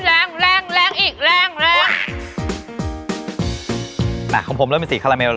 แรงแรงแรงแรงอีกแรงแรงอ่ะของผมเริ่มเป็นสีคาราเมล